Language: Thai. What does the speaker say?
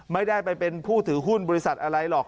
ไม่ได้ไปเป็นผู้ถือหุ้นบริษัทอะไรหรอก